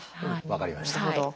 分かりました。